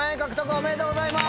おめでとうございます！